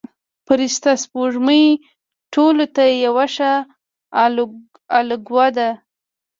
فرشته سپوږمۍ ټولو ته یوه ښه الګو ده.